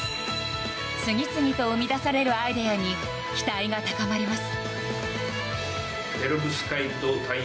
次々と生み出されるアイデアに期待が高まります。